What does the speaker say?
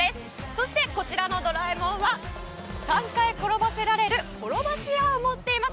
そしてこちらのドラえもんは３回転ばせられるころばし屋を持っています。